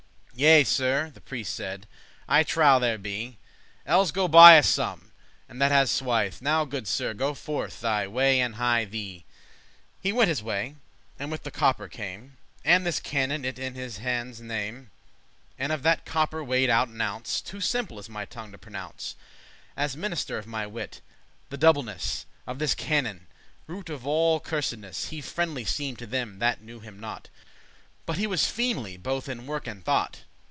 "Yea, Sir," the prieste said, "I trow there be." "Elles go buy us some, and that as swithe.* *swiftly Now, goode Sir, go forth thy way and hie* thee." *hasten He went his way, and with the copper came, And this canon it in his handes name,* *took <15> And of that copper weighed out an ounce. Too simple is my tongue to pronounce, As minister of my wit, the doubleness Of this canon, root of all cursedness. He friendly seem'd to them that knew him not; But he was fiendly, both in work and thought.